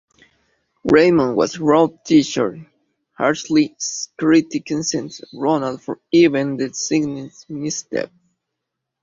Raymond was a rough teacher, harshly criticizing Ronald for even the slightest misstep.